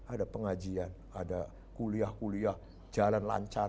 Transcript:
ada pengajian ada kuliah kuliah jalan lancar